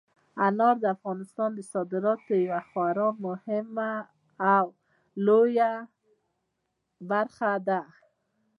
انار د افغانستان د صادراتو یوه خورا مهمه او لویه برخه ده.